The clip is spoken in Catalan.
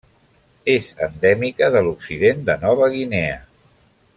És endèmica de l'occident de Nova Guinea.